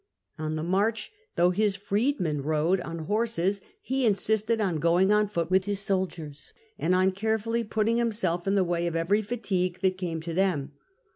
On the march, though his freedmen rode on horses, he insisted on going on foot with his soldiers, and on carefully putting himself in the way of every fatigue that came to them.